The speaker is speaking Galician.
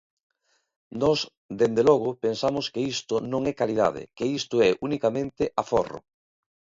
Nós, dende logo, pensamos que isto non é calidade, que isto é unicamente aforro.